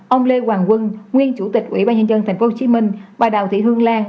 ông lê hoàng quân nguyên chủ tịch ủy ban nhân dân tp hcm bà đào thị hương lan